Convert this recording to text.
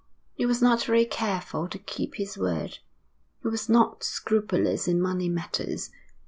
He was not very careful to keep his word. He was not scrupulous in money matters.